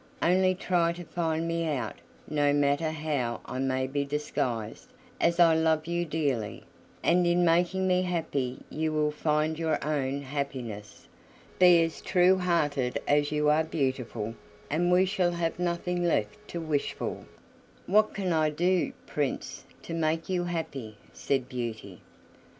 Only try to find me out, no matter how I may be disguised, as I love you dearly, and in making me happy you will find your own happiness. Be as true hearted as you are beautiful, and we shall have nothing left to wish for." "What can I do, Prince, to make you happy?" said Beauty.